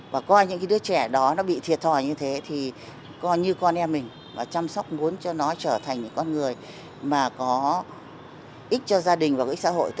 và coi những cái đứa trẻ đó nó bị thiệt thòi như thế thì coi như con em mình và chăm sóc muốn cho nó trở thành một con người mà có ích cho gia đình và ích xã hội